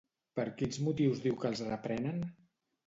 Per quins motius diu que els reprenen?